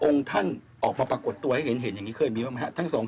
องค์ท่านออกมาประกวดตัวให้เห็นอย่างนี้เคยมีไหมครับทั้ง๒สรรครับ